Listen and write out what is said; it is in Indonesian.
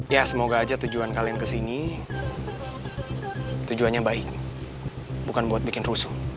ya semoga aja tujuan kalian kesini tujuannya baik bukan buat bikin rusuh